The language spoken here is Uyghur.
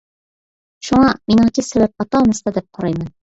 شۇڭا، مېنىڭچە سەۋەب ئاتا-ئانىسىدا دەپ قارايمەن.